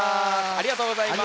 ありがとうございます。